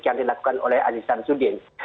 yang dilakukan oleh aziz syamsudin